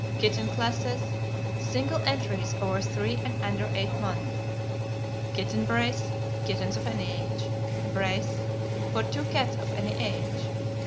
Kitten Classes. Single entries over three and under eight months. Kitten Brace. Kittens of any age. Brace. For two cats of any age.